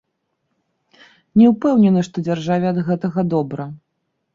Не ўпэўнены, што дзяржаве ад гэтага добра.